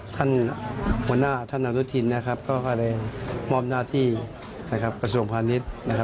อย่างที่บอกไปว่าวันนี้นะคะ